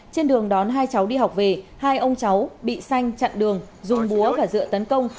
trên đường đón hai cháu đi học về hai ông cháu bị xanh chặn đường dùng búa và dựa tấn công